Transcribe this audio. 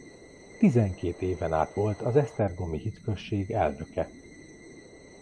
Tizenkét éven át volt az esztergomi hitközség elnöke.